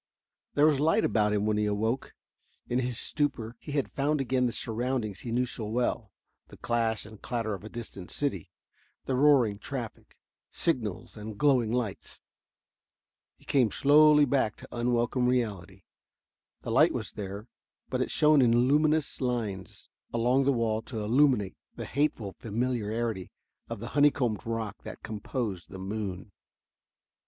There was light about him when he awoke. In his stupor he had found again the surroundings he knew so well the clash and clatter of a distant city the roaring traffic signals, and glowing lights. He came slowly back to unwelcome reality. The light was there, but it shone in luminous lines along the wall to illumine the hateful familiarity of the honeycombed rock that composed the moon.